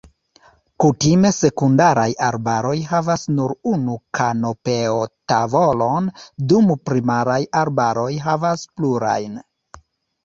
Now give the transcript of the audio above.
Kutime, sekundaraj arbaroj havas nur unu kanopeo-tavolon, dum primaraj arbaroj havas plurajn.